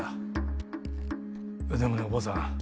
でもねおばあさん